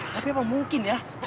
tapi apa mungkin ya